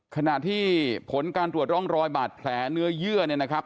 ขณะที่ผลการตรวจร่องรอยบาดแผลเนื้อเยื่อเนี่ยนะครับ